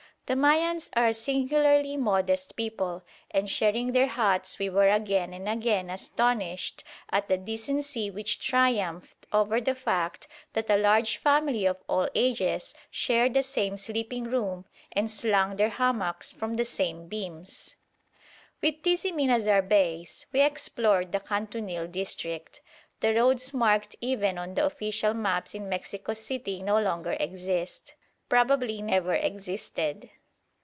The Mayans are a singularly modest people, and, sharing their huts, we were again and again astonished at the decency which triumphed over the fact that a large family of all ages shared the same sleeping room and slung their hammocks from the same beams. With Tizimin as our base we explored the Kantunil district. The roads marked even on the official maps in Mexico City no longer exist, probably never existed.